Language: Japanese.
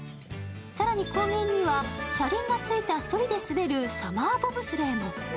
更に高原には車輪がついたそりで滑るサマーボブスレーも。